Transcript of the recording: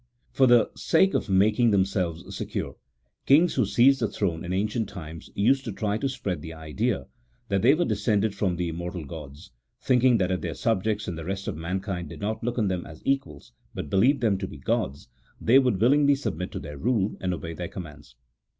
For the sake of making themselves secure, kings who seized the throne in ancient times used to try to spread the idea that they were descended from the immortal gods, thinking that if their subjects and the rest of mankind did not look on them as equals, but believed them to be gods, they would willingly submit to their rule, and obey their commands.